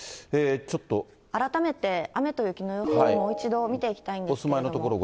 改めて、雨と雪の予想をもう一度見ていきたいんですけれども。